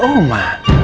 kan ada oma